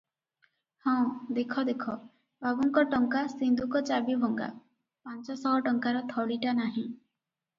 ହଁ, ଦେଖ ଦେଖ, ବାବୁଙ୍କ ଟଙ୍କା ସିନ୍ଦୁକ ଚାବି ଭଙ୍ଗା, ପାଞ୍ଚ ଶହ ଟଙ୍କାର ଥଳିଟା ନାହିଁ ।